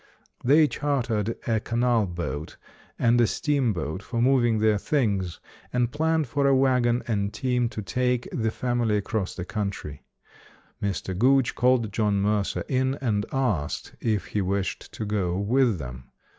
They chartered a canal boat and a steamboat for moving their things, and planned for a wagon and team to take the family across the country. Mr. Gooch called John Mercer in and asked if he wished to go with them.